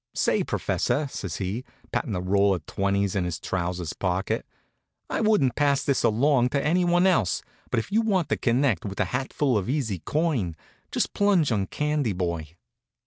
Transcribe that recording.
"Say, professor," says he, pattin' a roll of twenties in his trousers pocket, "I wouldn't pass this along to anyone else, but if you want to connect with a hatful of easy coin, just plunge on Candy Boy."